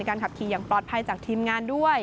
ขับขี่อย่างปลอดภัยจากทีมงานด้วย